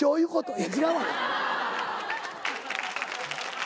いや違うわ。